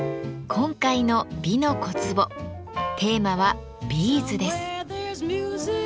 今回の「美の小壺」テーマは「ビーズ」です。